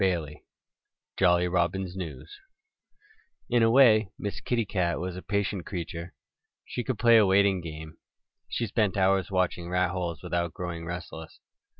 XII JOLLY ROBIN'S NEWS IN A WAY Miss Kitty Cat was a patient creature. She could play a waiting game. She spent hours watching rat holes without growing restless.